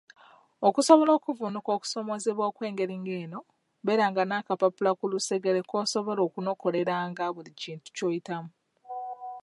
Okusobola okuvvuunuka okusoomoozebwa okw’engeri eno, beeranga n’akapapula ku lusegere kw’osobola okunokoleranga buli kintu ky’oyitamu.